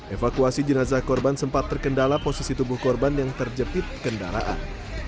evakuasi jenazah korban sempat terkendala posisi tubuh korban yang terjepit kendaraan